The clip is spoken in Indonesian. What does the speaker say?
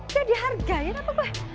gak dihargain apa gue